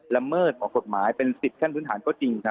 ละเมิดออกกฎหมายเป็นสิทธิ์ขั้นพื้นฐานก็จริง